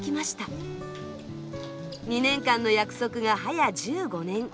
２年間の約束が早１５年。